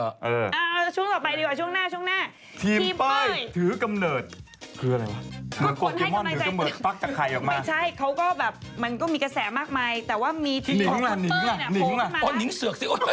อะช่วงต่อไปดีกว่าช่วงหน้าช่วงหน้า